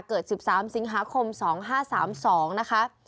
เกิด๑๓สิงหาคม๒๕๓๒นะคะ